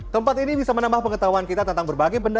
tempat ini bisa menambah pengetahuan kita tentang berbagai benda